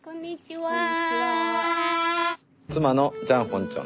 こんにちは。